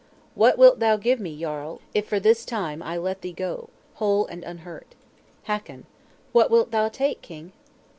_ "'What wilt thou give me, Jarl, if, for this time, I let thee go, whole and unhurt?' Hakon. "'What wilt thou take, King?'